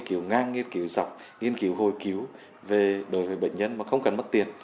kiểu ngang nghiên cứu dọc nghiên cứu hồi cứu về đối với bệnh nhân mà không cần mất tiền